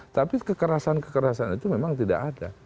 tapi kekerasan kekerasan itu memang tidak ada